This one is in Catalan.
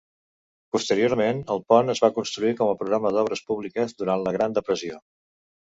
Posteriorment el pont es va construir com a programa d'obres públiques durant la Gran Depressió.